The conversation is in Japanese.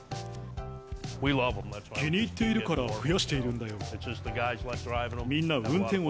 気に入っているから増やしているんだよ。